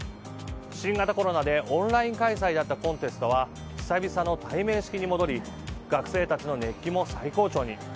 新型コロナでオンライン開催だったコンテストは久々の対面式に戻り学生たちの熱気も最高潮に。